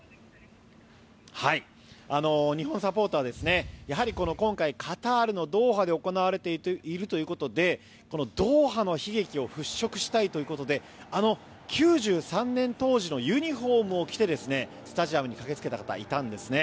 日本サポーターはやはり今回のカタールのドーハで行われているということでドーハの悲劇を払しょくしたいということであの９３年当時のユニホームを着てスタジアムに駆けつけた方いたんですね。